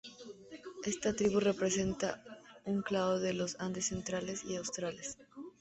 Esta tribu representa un clado de los Andes centrales y australes.